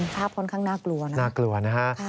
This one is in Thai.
ภาพค่อนข้างน่ากลัวนะครับนะครับ